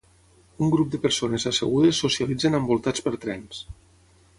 Un grup de persones assegudes socialitzen envoltats per trens.